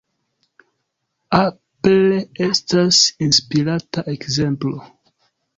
Apple estas inspiranta ekzemplo.